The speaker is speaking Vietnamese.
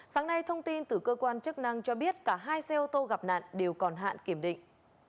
sáng nay thông tin từ cơ quan chức năng cho biết cả hai xe ô tô gặp nạn đều còn hạn kiểm định